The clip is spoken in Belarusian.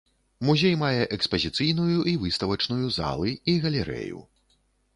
Музей мае экспазіцыйную і выставачную залы і галерэю.